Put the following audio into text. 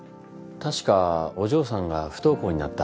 確かお嬢さんが不登校になった。